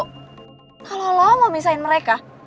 kalo lu mau misahin mereka